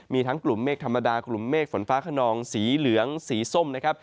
มีทั้งกลุ่มเมฆธรรมดากลุ่มเมฆฝนฟ้าขนองสีเหลืองสีส้มนะครับ